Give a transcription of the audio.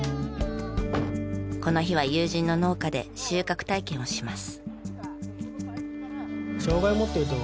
この日は友人の農家で収穫体験をします。